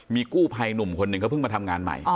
มีกู้ภัยหนุ่มคนหนึ่งเขาเพิ่งมาทำงานใหม่